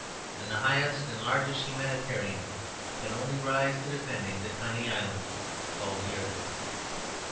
And the highest and largest humanitarian can only rise to defending the tiny island called the earth.